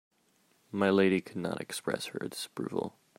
My lady could not express her disapproval.